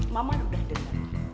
mama udah denger